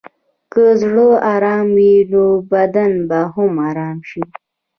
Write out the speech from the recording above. که زړه ارام وي، نو بدن به هم ارام شي.